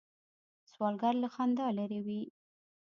سوالګر له خندا لرې وي